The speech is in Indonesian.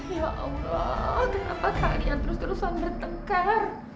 ya allah kenapa kalian terus terusan bertengkar